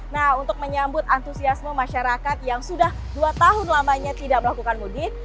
nah untuk menyambut antusiasme masyarakat yang sudah dua tahun lamanya tidak melakukan mudik